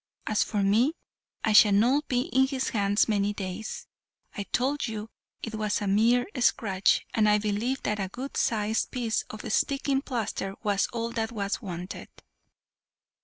As for me, I shall not be in his hands many days. I told you it was a mere scratch, and I believe that a good sized piece of sticking plaster was all that was wanted."